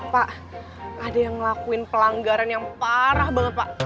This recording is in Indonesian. pak ada yang ngelakuin pelanggaran yang parah banget pak